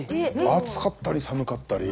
暑かったり寒かったり。